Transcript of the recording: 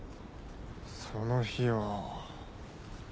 その日は。